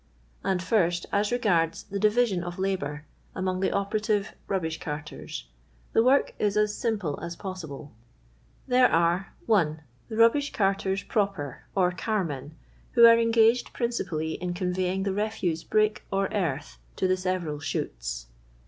And first, as regards the divmon of labour among the operative rubbish carters, the work is as simple as possible. '1 here arc — 1. The RtiUiish Curtcrs proper, or "carmen," who are engaged priucipaily in conveying the refuse brick or earth to the several shoots.